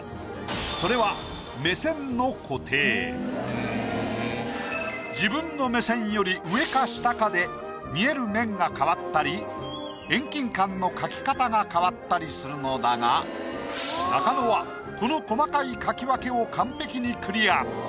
それは自分の目線より上か下かで見える面が変わったり遠近感の描き方が変わったりするのだが中野はこの細かい描き分けを完璧にクリア。